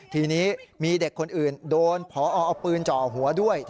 ทีนี้มีเด็กคนอื่นโดนพอเอาปืนจ่อหัวด้วย